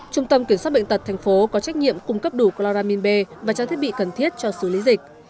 trung tâm kiểm soát bệnh tật tp có trách nhiệm cung cấp đủ chloramin b và trang thiết bị cần thiết cho xử lý dịch